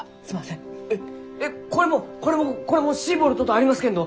えっえこれもこれもこれも「シーボルト」とありますけんど。